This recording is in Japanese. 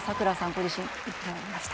ご自身言っておりました。